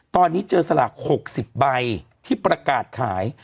ตอนนี้เจอสลาก๖๐ใบที่ประกาศขาย